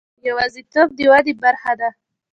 یوازیتوب د ودې برخه ده.